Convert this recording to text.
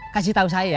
kasih tau saya